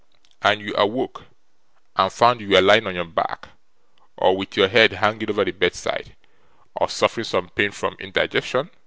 'And you awoke, and found you were lying on your back, or with your head hanging over the bedside, or suffering some pain from indigestion?